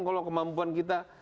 kalau kemampuan kita